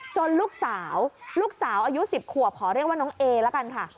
ลูกสาวลูกสาวอายุ๑๐ขวบขอเรียกว่าน้องเอละกันค่ะ